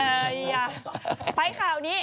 เออไปข่าวนี้